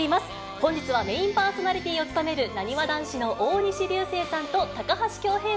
本日はメインパーソナリティーを務めるなにわ男子の大西流星さん